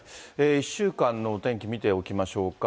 １週間のお天気見ておきましょうか。